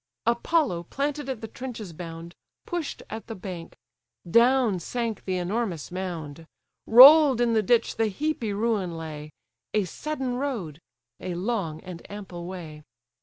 Apollo, planted at the trench's bound, Push'd at the bank: down sank the enormous mound: Roll'd in the ditch the heapy ruin lay; A sudden road! a long and ample way.